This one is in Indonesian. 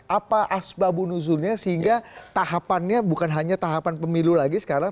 apa asbabunuzulnya sehingga tahapannya bukan hanya tahapan pemilu lagi sekarang